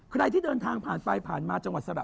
ใครที่เดินทางผ่านไปผ่านมาจังหวัดสระ